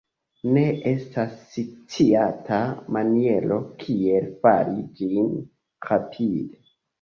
Ne estas sciata maniero kiel fari ĝin rapide.